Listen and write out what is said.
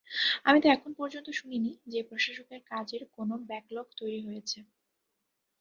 আমি তো এখন পর্যন্ত শুনিনি যে প্রশাসকের কাজের কোনো ব্যাক-লগ তৈরি হয়েছে।